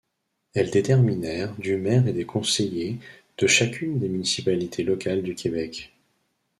Elles déterminèrent du maire et des conseillers de chacune des municipalités locales du Québec.